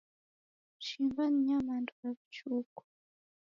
Shimba ni nyamandu ra vichuku.